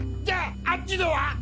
じゃああっちのは？